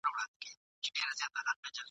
د باد په حکم ځمه !.